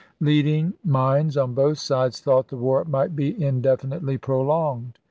Leading minds on both sides thought the war might be indefinitely prolonged.